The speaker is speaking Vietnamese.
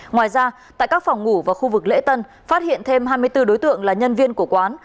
ngoài ra tại các phòng ngủ và khu vực lễ tân phát hiện thêm hai mươi bốn đối tượng là nhân viên của quán